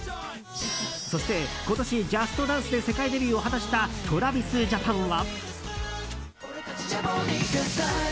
そして今年「ＪＵＳＴＤＡＮＣＥ！」で世界デビューを果たしたＴｒａｖｉｓＪａｐａｎは。